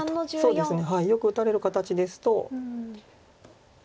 そうですね。